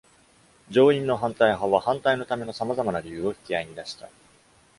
上院の反対派は反対のための様々な理由を引き合いに出した。